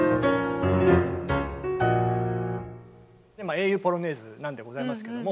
「英雄ポロネーズ」なんでございますけども。